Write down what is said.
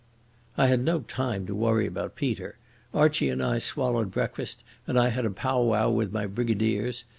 I had no time to worry about Peter. Archie and I swallowed breakfast and I had a pow wow with my brigadiers.